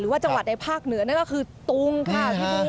ว่าจังหวัดในภาคเหนือนั่นก็คือตุงค่ะพี่บุ้ง